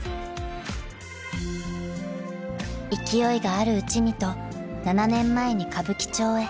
［勢いがあるうちにと７年前に歌舞伎町へ］